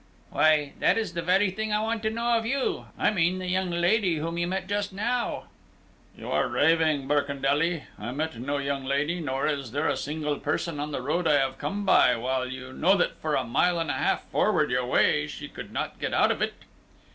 "Why, that is the very thing I want to know of you. I mean the young lady whom you met just now." "You are raving, Birkendelly. I met no young lady, nor is there a single person on the road I have come by, while you know that for a mile and a half forward your way she could not get out of it."